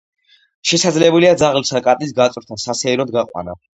შესაძლებელია ძაღლის ან კატის გაწვრთნა, სასეირნოდ გაყვანა.